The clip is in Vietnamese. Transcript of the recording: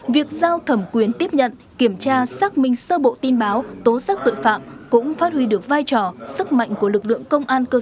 việc giao thẩm quyến tiếp nhận kiểm tra xác minh sơ bộ tin báo tố xác tội phạm cũng phát huy được vai trò sức mạnh của lực lượng công an cơ sở